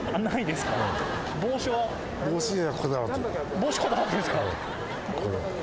帽子こだわってるんですか？